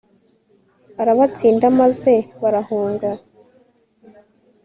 arabatsinda maze barahunga